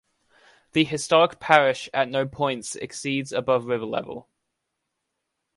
The historic parish at no points exceeds above river level.